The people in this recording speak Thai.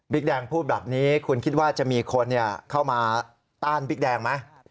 แดงพูดแบบนี้คุณคิดว่าจะมีคนเข้ามาต้านบิ๊กแดงไหม